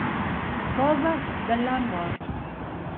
Cosas del amor